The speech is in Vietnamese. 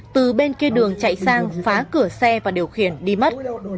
từ bên kia đường chạy sang phá cửa xe và điều khiển đi mất